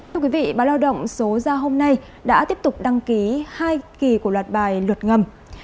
thưa quý vị báo lao động số ra hôm nay đã tiếp tục đăng ký hai kỳ của loạt bài luật ngầm